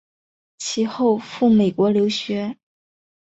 其后赴美国留学。